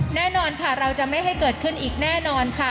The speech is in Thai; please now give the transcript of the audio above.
แน่นอนค่ะเราจะไม่ให้เกิดขึ้นอีกแน่นอนค่ะ